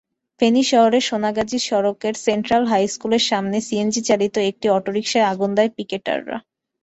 ফেনী শহরের সোনাগাজী সড়কের সেন্ট্রাল হাইস্কুলের সামনে সিএনজিচালিত একটি অটোরিকশায় আগুন দেয় পিকেটাররা।